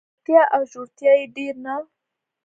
چې پراختیا او ژورتیا یې ډېر نه